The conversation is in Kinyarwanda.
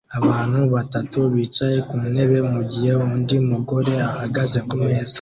Abantu batatu bicaye ku ntebe mugihe undi mugore ahagaze kumeza